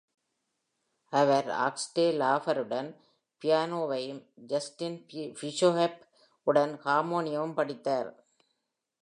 அவர் Auguste லாஃபருடன் பியானோவையும் Justin பிஷோஃப் உடன் ஹார்மோனியமும் படித்தார்.